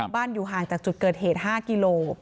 อยู่ห่างจากจุดเกิดเหตุ๕กิโล